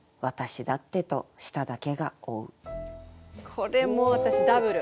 これもう私ダブル！